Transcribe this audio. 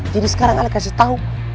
jadi sekarang ale kasih tau